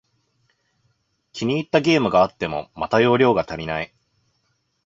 気に入ったゲームがあっても、また容量が足りない